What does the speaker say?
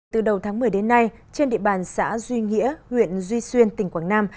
từ đầu tháng một mươi đến nay trên địa bàn xã duy nghĩa huyện duy xuyên tỉnh quảng nam